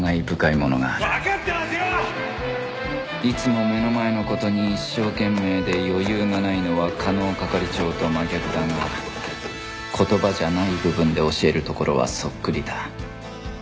いつも目の前の事に一生懸命で余裕がないのは加納係長と真逆だが言葉じゃない部分で教えるところはそっくりだ